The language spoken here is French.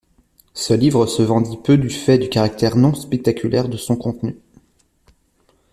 Ce livre se vendit peu du fait du caractère non spectaculaire de son contenu.